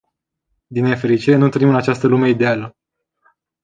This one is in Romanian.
Din nefericire, nu trăim în această lume ideală.